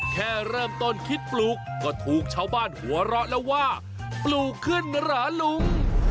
แค่เริ่มต้นคิดปลูกก็ถูกชาวบ้านหัวเราะแล้วว่าปลูกขึ้นเหรอลุง